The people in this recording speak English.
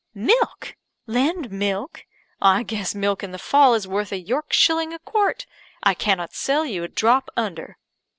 "Milk! Lend milk? I guess milk in the fall is worth a York shilling a quart. I cannot sell you a drop under."